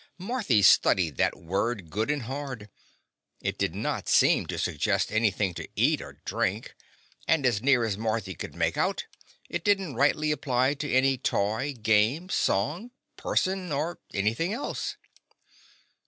Marthy studied that word good and hard. It did not seem to suggest anything to eat or drink, and, as near as Marthy could make out, it did n't rightly apply to any toy, game, song, person, or anything else.